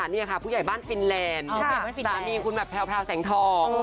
นี่ค่ะผู้ใหญ่บ้านฟินแลนด์สามีคุณแบบแพลวแสงทอง